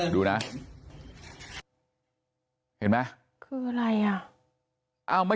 ดูนะ